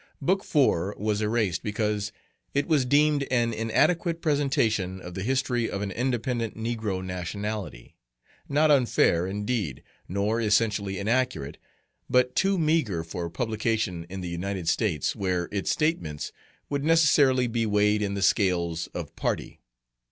Book IV. was erased because it was deemed an inadequate presentation of the history of an independent negro nationality, not unfair, indeed, nor essentially inaccurate, but too meagre for publication in the United States where its statements would necessarily be weighed in the scales of party.